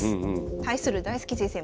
対する大介先生